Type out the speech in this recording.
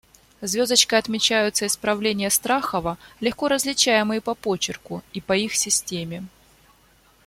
Звездочкой отмечаются исправления Страхова, легко различаемые по почерку и по их системе.